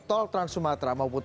tol trans sumatra maupun